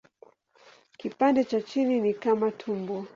Kipande cha chini ni kama tumbo.